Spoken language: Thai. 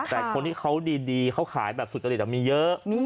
แต่คนที่เขาดีเขาขายแบบสุจริตมีเยอะ